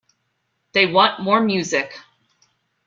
They want more music.